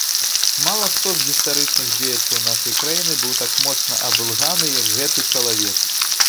Мала хто з гістарычных дзеячаў нашай краіны быў так моцна абылганы, як гэты чалавек.